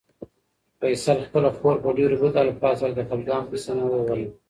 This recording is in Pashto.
فیصل خپله خور په ډېرو بدو الفاظو سره د خپګان په سېنه ووهله.